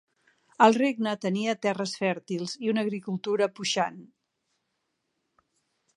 El regne tenia terres fèrtils i una agricultura puixant.